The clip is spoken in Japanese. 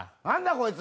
こいつ。